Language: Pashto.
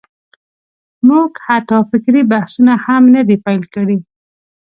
موږ حتی فکري بحثونه هم نه دي پېل کړي.